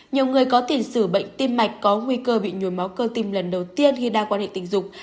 nhiều người có tiền sử bệnh tim mạch có nguy cơ bị nhồi máu cơ tim lần đầu tiên khi đang quan hệ tình dục